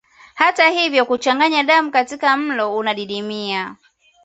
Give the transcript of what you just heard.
Hata hivyo kuchanganya damu katika mlo unadidimia